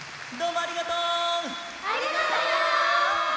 ありがとう！